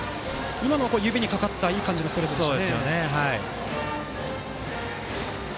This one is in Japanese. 今のは指にかかったいい感じのストレートでした。